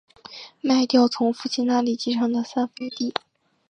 卖掉从父亲那里继承的三分地